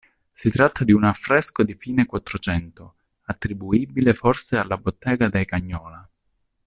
Si tratta di un affresco di fine Quattrocento attribuibile forse alla bottega dei Cagnola.